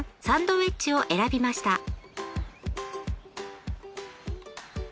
サンドウェッジを選びました。